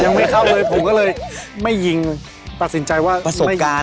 ยังไม่เข้าเลยผมก็เลยไม่ยิงตัดสินใจว่าไม่ยิง